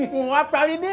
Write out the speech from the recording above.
buat kali di